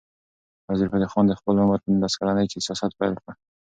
وزیرفتح خان د خپل عمر په نولس کلنۍ کې سیاست پیل کړ.